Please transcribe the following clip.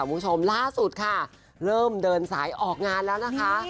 คุณผู้ชมล่าสุดค่ะเริ่มเดินสายออกงานแล้วนะคะ